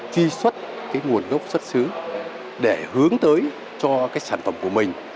truy xuất nguồn gốc xuất xứ để hướng tới cho sản phẩm của mình